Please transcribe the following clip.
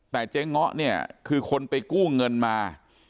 แต่เจ๊ง้อเนี่ยคือคนไปกู้เงินมา